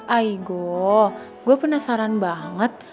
aigo gue penasaran banget